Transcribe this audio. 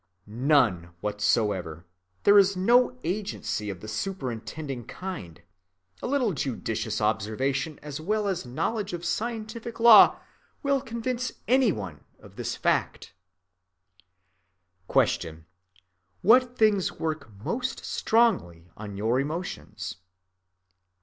None whatever. There is no agency of the superintending kind. A little judicious observation as well as knowledge of scientific law will convince any one of this fact. Q. _What things work most strongly on your emotions?